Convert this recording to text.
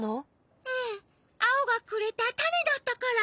アオがくれたたねだったから。